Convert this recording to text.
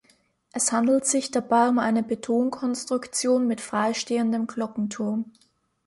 Es handelt sich dabei um eine Betonkonstruktion mit freistehendem Glockenturm.